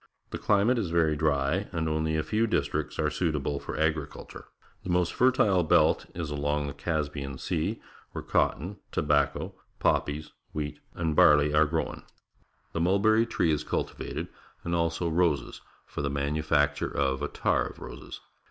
The climate is very dry, and only a few districts are suit able for agriculture. The most fertile belt is along the Caspian Sea, where cotton, tobacco, poppies, wheat, and barley are grown. The mulberry tree is cultivated, and also roses for the manufacture of attar of roses.